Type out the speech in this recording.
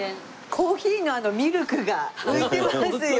コーヒーのミルクが浮いてますよ。